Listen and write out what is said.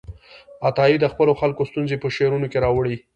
عطايي د خپلو خلکو ستونزې په شعرونو کې راواړولې.